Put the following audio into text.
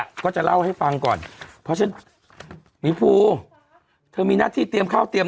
ทีแล้วก็จะเล่าให้ฟังก่อนมีผู้เธอมีนะที่เตรียมเข้าเตรียม